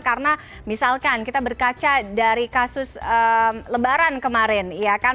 karena misalkan kita berkaca dari kasus lebaran kemarin